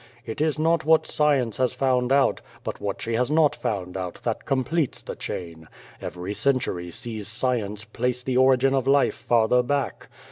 It is not what science has found out, but what she has not found out that completes the chain. Every century sees science place the origin of life farther back.